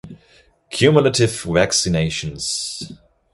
Cumulative vaccinations